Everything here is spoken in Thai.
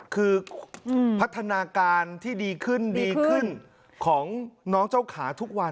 คือพัฒนาการที่ดีขึ้นดีขึ้นของน้องเจ้าขาทุกวัน